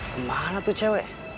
kemana tuh cewek